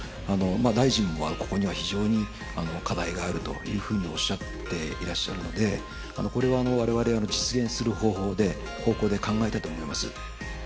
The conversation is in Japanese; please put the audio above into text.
大臣も、ここには非常に課題があるというふうにおっしゃっていらっしゃるので、これはわれわれ、実現する方向で考えたいと思います。